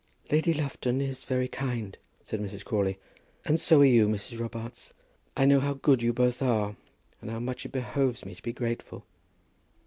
"Lady Lufton is very kind," said Mrs. Crawley, "and so are you, Mrs. Robarts. I know how good you both are, and for how much it behoves me to be grateful."